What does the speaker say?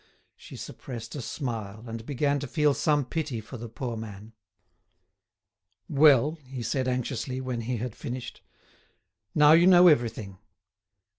She suppressed a smile, and began to feel some pity for the poor man. "Well," he said anxiously, when he had finished, "now you know everything.